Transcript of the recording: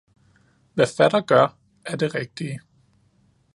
Hvad fatter gør, er det rigtige!